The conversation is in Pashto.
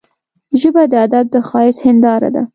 ژبه د ادب د ښايست هنداره ده